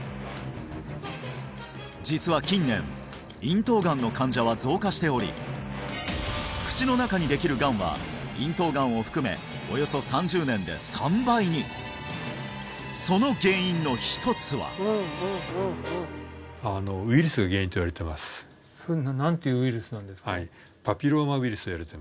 実は近年咽頭がんの患者は増加しており口の中にできるがんは咽頭がんを含めおよそその原因の一つはそれ何ていうウイルスなんですか？